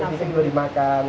ya jadi dia juga dimakan